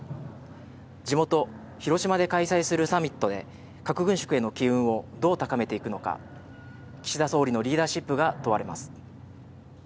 地元・広島で開催するサミットで、核軍縮への機運をどう高めていくのか、岸田総理のリーダーシップが問われます。